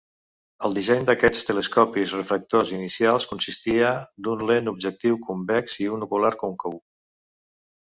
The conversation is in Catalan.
El disseny d'aquests telescopis refractors inicials consistia d'un lent objectiu convex i un ocular còncau.